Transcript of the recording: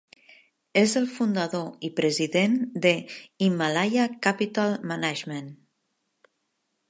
És el fundador i president de Himalaya Capital Management.